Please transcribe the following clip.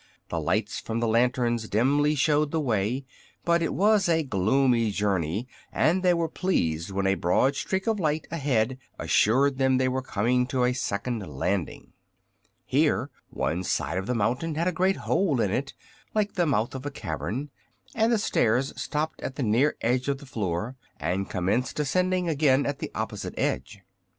The lights from the lanterns dimly showed the way, but it was a gloomy journey, and they were pleased when a broad streak of light ahead assured them they were coming to a second landing. Here one side of the mountain had a great hole in it, like the mouth of a cavern, and the stairs stopped at the near edge of the floor and commenced ascending again at the opposite edge.